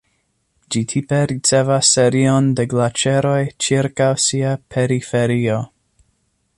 Ĝi tipe ricevas serion de glaĉeroj ĉirkaŭ sia periferio.